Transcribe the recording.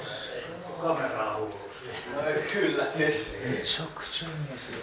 めちゃくちゃいい匂いする。